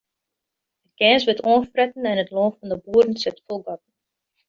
It gers wurdt oanfretten en it lân fan de boeren sit fol gatten.